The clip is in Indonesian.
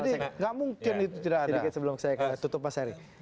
jadi gak mungkin itu tidak ada